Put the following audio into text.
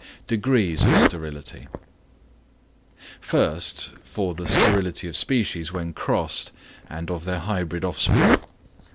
Degrees of Sterility.—First, for the sterility of species when crossed and of their hybrid offspring.